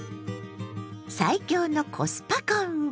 最強のコスパコンビ！